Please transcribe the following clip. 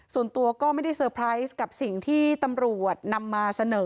ส่วนตัวก็ไม่ได้เซอร์ไพรส์กับสิ่งที่ตำรวจนำมาเสนอ